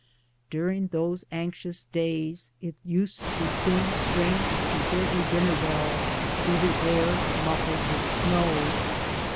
During those anxious days it used to seem strange to hear a dinner bell through the air, muffled with snow.